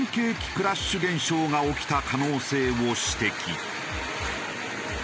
クラッシュ現象が起きた可能性を指摘。